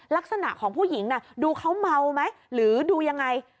ลักษณะของผู้หญิงน่ะดูเขาเมาไหมหรือดูยังไง